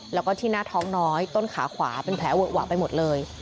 แล้วก็ที่หน้าท้องน้อยต้นขาขวาเป็นแผลเวอะหวะไปหมดเลย